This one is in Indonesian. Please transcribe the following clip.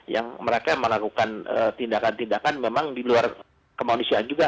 yang mereka melakukan tindakan tindakan memang di luar kemanusiaan juga